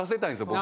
僕。